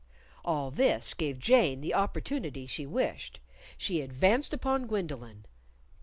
All this gave Jane the opportunity she wished. She advanced upon Gwendolyn.